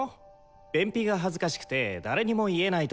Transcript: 便秘が恥ずかしくて誰にも言えないとか。